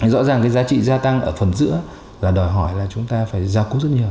rõ ràng cái giá trị gia tăng ở phần giữa là đòi hỏi là chúng ta phải ra cốc rất nhiều